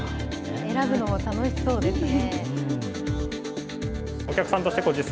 選ぶのも楽しそうですね。